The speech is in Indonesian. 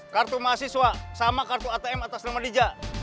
kartu mahasiswa sama kartu atm atas nama lija